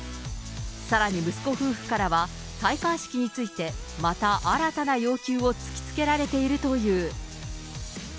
さらに息子夫婦からは、戴冠式について、また新たな要求を突きつけられているという。